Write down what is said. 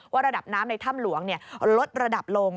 ระดับน้ำในถ้ำหลวงลดระดับลง